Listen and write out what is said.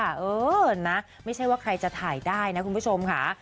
เออนะไม่ใช่ว่าใครจะถ่ายได้นะคุณผู้ชมค่ะ